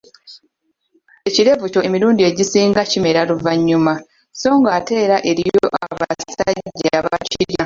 Ekirevu kyo emilundi egisinga kimera luvanyuma so ng'ate era eriyo abasajja abatakirina